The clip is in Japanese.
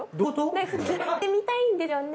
「やってみたいんですよね。